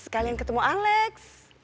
kalian ketemu alex